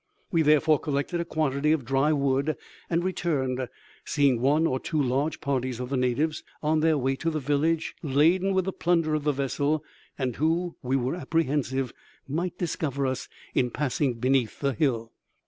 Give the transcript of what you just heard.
We therefore collected a quantity of dry wood and returned, seeing one or two large parties of the natives on their way to the village, laden with the plunder of the vessel, and who, we were apprehensive, might discover us in passing beneath the hill.